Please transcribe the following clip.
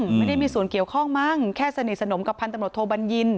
ไม่ได้มีส่วนเกี่ยวข้องมั้งแค่สนิทสนมกับพันตำรวจโทบัญญิน